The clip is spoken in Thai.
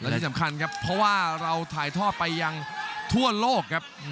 ที่สำคัญครับเราถ่ายท่อไปยังทั่วโลกครับ